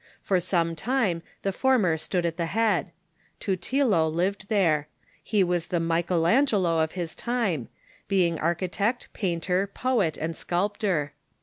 For some time the former stood at the head. Tutilo lived there. He Avas the Michael Aiigelo of his time, being architect, painter, poet, and sculp tor.